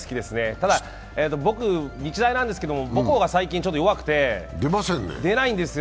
ただ、僕、日大なんですけど母校が最近、弱くて、出ないんですよ。